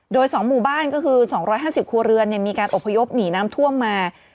โดยสองหมู่บ้านก็คือสองร้อยห้าสิบครัวเรือนเนี่ยมีการอบพยพหนีน้ำท่วมมา